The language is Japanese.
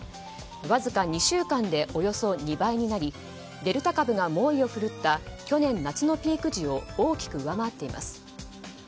わずか２週間でおよそ２倍になりデルタ株が猛威を振るった去年夏のピーク時を大きく上回っています。